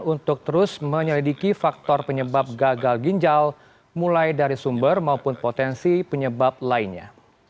untuk terus menyelidiki faktor penyebab gagal ginjal mulai dari sumber maupun potensi penyebab lainnya